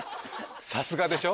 さすがでしょ？